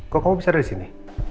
kok kamu bisa ada disini